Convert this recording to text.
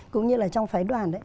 cũng như là trong phái đoàn